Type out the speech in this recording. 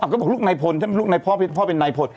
ก็บอกลูกนายพนลูกนายพ่อพ่อเป็นนายพน